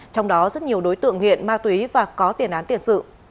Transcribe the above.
trong đó rất nhiều đối tượng nghiện ma túy và có tiền án tiền sự